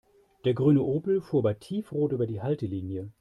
Der grüne Opel fuhr bei Tiefrot über die Haltelinie.